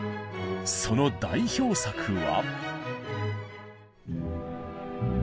その代表作は。